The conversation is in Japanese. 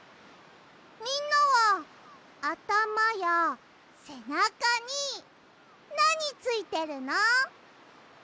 みんなはあたまやせなかになについてるの？